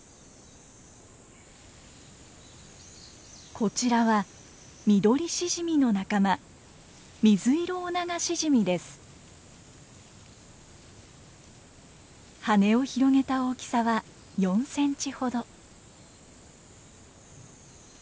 こちらはミドリシジミの仲間羽を広げた大きさは４センチほど。